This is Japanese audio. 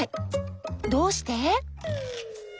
どうして？